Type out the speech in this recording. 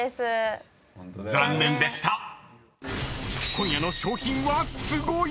［今夜の賞品はすごい！］